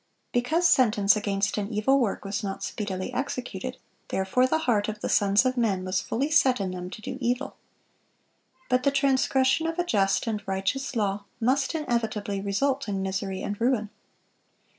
Because sentence against an evil work was not speedily executed, therefore the heart of the sons of men was "fully set in them to do evil."(419) But the transgression of a just and righteous law must inevitably result in misery and ruin.